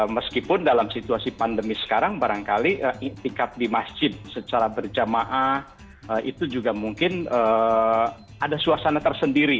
meskipun dalam situasi pandemi sekarang barangkali itikaf di masjid secara berjamaah itu juga mungkin ada suasana tersendiri